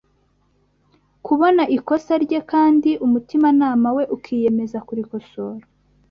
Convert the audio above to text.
kubona ikosa rye kandi umutimanama we ukiyemeza kurikosora